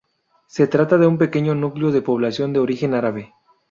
Se trata de un pequeño núcleo de población de origen árabe.